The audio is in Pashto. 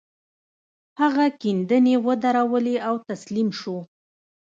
هغه کيندنې ودرولې او تسليم شو.